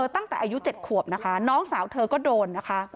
ตั้งแต่อายุ๗ขวบน้องสาวก็โดน